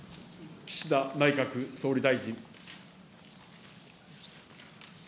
岸田内閣総理大臣。